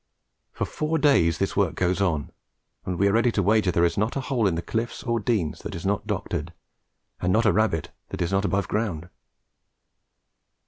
For four days this work goes on, and we are ready to wager there is not a hole in the cliffs or Denes that is not doctored, and not a rabbit that is not above ground.